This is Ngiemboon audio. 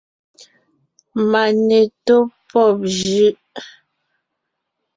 Mane tó pɔ́b jʉ́ʼ.